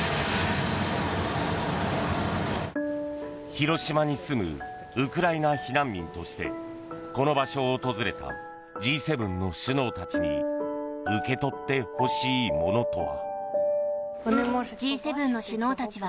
広島に住むウクライナ避難民としてこの場所を訪れたＧ７の首脳たちに受け取ってほしいものとは。